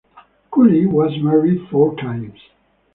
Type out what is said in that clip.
Cooley was married four times.